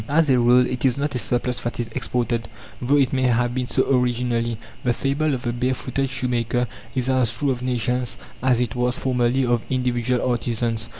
As a rule it is not a surplus that is exported, though it may have been so originally. The fable of the barefooted shoemaker is as true of nations as it was formerly of individual artisans.